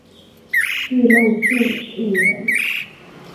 Du är långsint, unge vän!